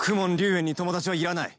炎に友達はいらない！